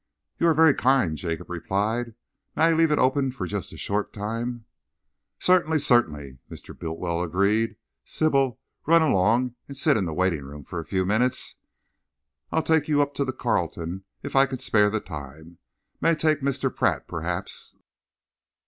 "You are very kind," Jacob replied. "May I leave it open just for a short time?" "Certainly, certainly!" Mr. Bultiwell agreed. "Sybil, run along and sit in the waiting room for a few minutes. I'll take you up to the Carlton, if I can spare the time. May take Mr. Pratt, perhaps."